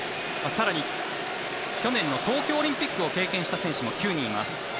更に、去年の東京オリンピックを経験した選手も９人います。